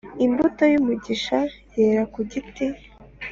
imbuto y'umugisha yera kugiti